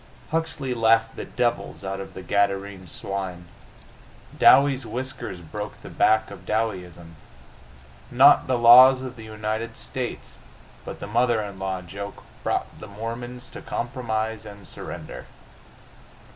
Huxley laughed the devils out of the Gadarene swine. Dowie's whiskers broke the back of Dowieism. Not the laws of the United States but the mother in law joke brought the Mormons to compromise and surrender.